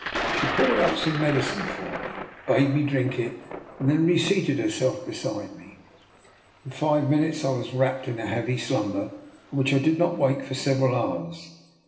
She poured out some medicine for me, 258 I>R. NIKOLA'S EXPERIMENT. bade me drink it and then reseated herself be side me. In five minutes I was wrapped in a heavy slumber, from which I did not wake for several hours.